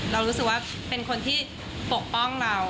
เรารู้สึกว่าเป็นคนที่ปกป้องเรา